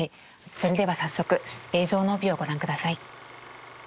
それでは早速「映像の帯」をご覧ください。